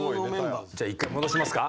じゃあ１回戻しますか？